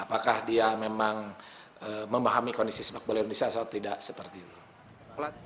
apakah dia memang memahami kondisi sepak bola indonesia atau tidak seperti itu